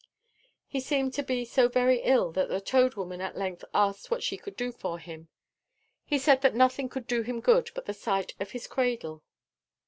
He seemed to be so very ill that the Toad Woman at length asked what she could do for him. He said that nothing could do him good but the sight of his cradle.